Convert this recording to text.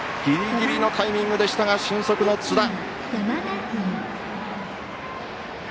ギリギリのタイミングでしたが俊足の津田。